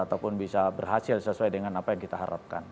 ataupun bisa berhasil sesuai dengan apa yang kita harapkan